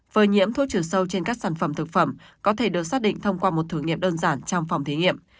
phơi nhiễm thuốc trừ sâu trên các sản phẩm thực phẩm có thể được xác định thông qua một thử nghiệm đơn giản trong phòng thí nghiệm